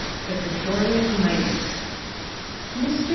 THE PERFORMING MICE. Mr.